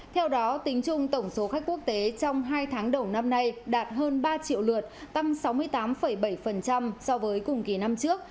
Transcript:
theo đó tính chung tổng số khách quốc tế trong hai tháng đầu năm nay đạt hơn ba triệu lượt tăng sáu mươi tám bảy so với cùng kỳ năm trước